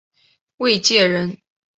卫玠人。